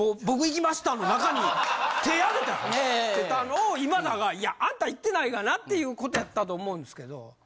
の中に手あげて入ってたのを今田がいやあんた行ってないがなっていうことやったと思うんですけど。